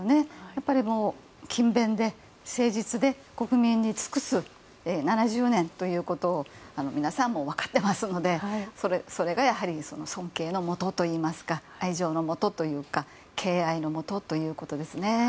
やっぱり勤勉で誠実で国民に尽くす７０年ということを皆さんも分かっていますのでそれがやはり尊敬のもとといいますか愛情のもとというか敬愛のもとということです。